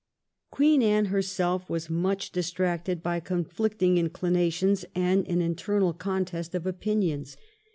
Queen Anne herself was much distracted by conflicting inclinations and an internal contest of opinions.